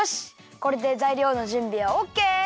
これでざいりょうのじゅんびはオッケー！